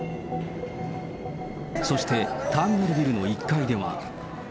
そしてターミナルビルの１階では。